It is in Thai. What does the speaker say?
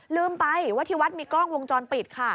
ลืมไปว่าที่วัดมีกล้องวงจรปิดค่ะ